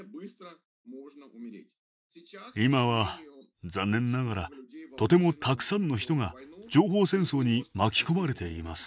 今は残念ながらとてもたくさんの人が情報戦争に巻き込まれています。